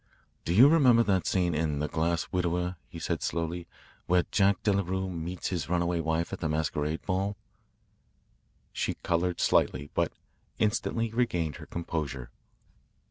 "Do you remember that scene in 'The Grass Widower,'" he said slowly, "where Jack Delarue meets his runaway wife at the masquerade ball?" She coloured slightly, but instantly regained her composure.